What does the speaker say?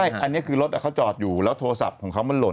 อันนี้คือรถเขาจอดอยู่แล้วโทรศัพท์ของเขามันหล่น